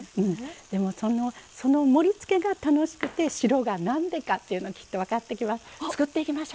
でも、その盛りつけが楽しくて白がなんでかっていうのきっと分かってきます。